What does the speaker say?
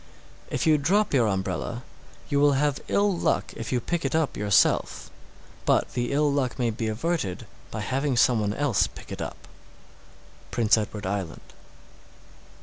_ 706. If you drop your umbrella, you will have ill luck if you pick it up yourself; but the ill luck may be averted by having some one else pick it up. _Prince Edward Island.